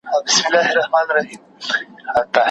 بیرته ځو توبې ته که جامونه تشول ښه دي